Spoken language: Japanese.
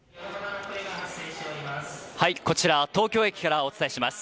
こちら東京駅からお伝えします。